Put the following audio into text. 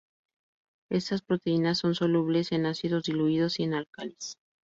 Estas proteínas son solubles en ácidos diluidos y en álcalis.